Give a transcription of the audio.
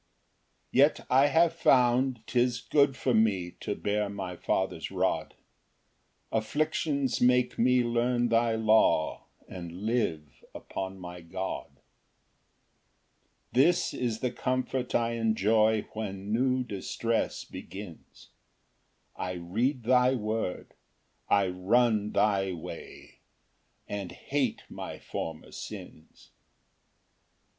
71. 2 Yet I have found, 'tis good for me To bear my Father's rod; Afflictions make me learn thy law, And live upon my God. Ver. 50. 3 This is the comfort I enjoy When new distress begins, I read thy word, I run thy way, And hate my former sins.